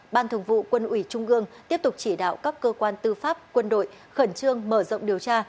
ban thường vụ quân ủy trung ương tiếp tục chỉ đạo các cơ quan tư pháp quân đội khẩn trương mở rộng điều tra